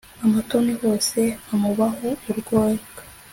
amatoni hose amubaho urwoga